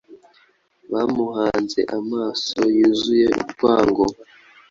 bamuhanze amaso yuzuye urwango